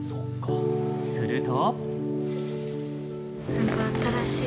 すると。